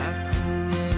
sama depon ya